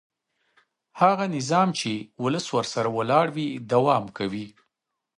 هغه نظام چې ولس ورسره ولاړ وي دوام کوي